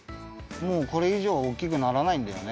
もうこれいじょうおおきくならないんだよね。